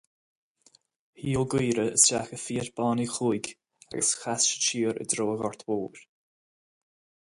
Shuigh Ó Gaora isteach i Fiat bán Uí Chuaig agus chas siad siar i dtreo an Ghort Mhóir.